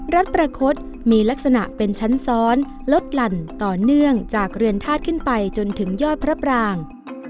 รัฐประคดมีลักษณะเป็นชั้นซ้อนลดหลั่นต่อเนื่องจากเรือนธาตุขึ้นไปจนถึงยอดพระปราง